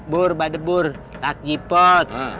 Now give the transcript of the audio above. burur pada burur lagi pot